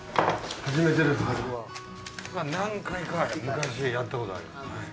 昔やったことあります。